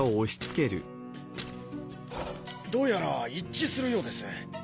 どうやら一致するようですね。